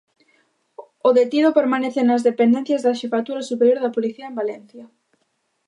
O detido permanece nas dependencias da Xefatura Superior da Policía en Valencia.